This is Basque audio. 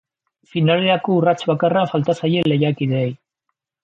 Finalerako urrats bakarra falta zaie lehiakideei.